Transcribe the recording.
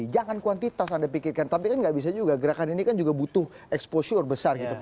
jangan kuantitas anda pikirkan tapi kan gak bisa juga gerakan ini kan juga butuh exposure besar gitu